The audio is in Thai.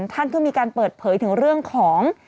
ท่านก็มีการเปิดเผยถึงเรื่องของ